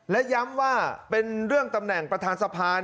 และย้ำว่าเป็นเรื่องตำแหน่งประธานสภา